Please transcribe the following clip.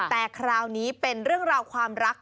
แต่คราวนี้เป็นเรื่องราวความรัก